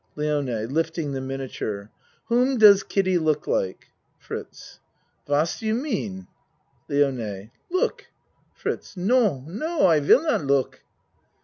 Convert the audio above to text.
LIONE (Lifting the miniature.) Whom does Kiddie look like? FRITZ What do you mean? LIONE Look. FRITZ No, no I will not look.